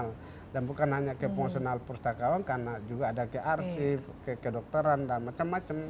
jadi itu fungsional dan bukan hanya fungsional pustakawan karena juga ada kearsif kedokteran dan macam macam